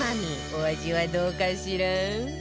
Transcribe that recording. お味はどうかしら？